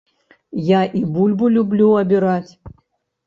Я і бульбу люблю абіраць.